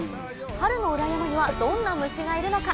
春の裏山にはどんな虫がいるのか？